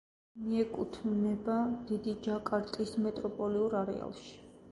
მიეკუთვნება დიდი ჯაკარტის მეტროპოლიურ არეალში.